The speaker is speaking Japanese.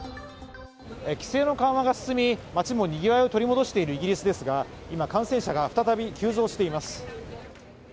規制の緩和が進み、街もにぎわいを取り戻しているイギリスですが、今、感染者が再び急増しています。